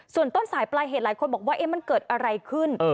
ส่วนต้นสายปลายเหตุหลายคนบอกว่ามันเกิดอะไรขึ้น